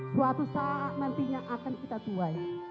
suatu saat nantinya akan kita tuai